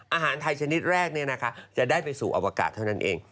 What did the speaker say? อาหารไทยชนิดแรกจะได้ไปสู่อวกาศเท่านั้นเอง